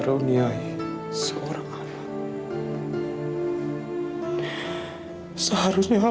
jangan bergerak ya sayang ya